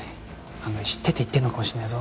案外知ってて言ってんのかもしれねえぞ。